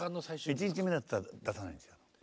１日目だったら出さないんですよ。